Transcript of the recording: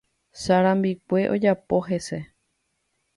Sarambikue ojapo hese